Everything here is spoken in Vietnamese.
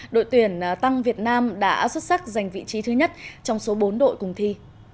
đội tuyển tăng việt nam đã xuất sắc giành vị trí thứ nhất trong số bốn đội cùng thi